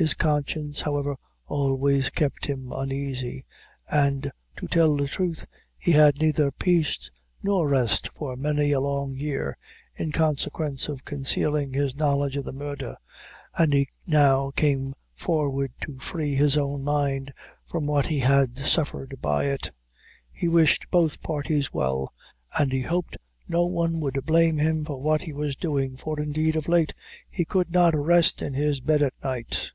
His conscience, however, always kept him uneasy, and to tell the truth, he had neither peace nor rest for many a long year, in consequence of concealing his knowledge of the murder, and he now came forward to free his own mind from what he had suffered by it. He wished both parties well, and he hoped no one would blame him for what he was doing, for, indeed, of late, he could not rest in his bed at night.